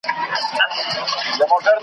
د هغو ورځو خواږه مي لا په خوله دي .